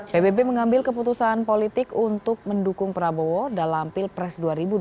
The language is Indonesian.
pbb mengambil keputusan politik untuk mendukung prabowo dalam pilpres dua ribu dua puluh